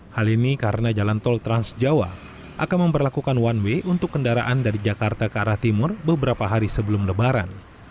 hal ini karena jalan tol trans jawa akan memperlakukan one way untuk kendaraan dari jakarta ke arah timur beberapa hari sebelum lebaran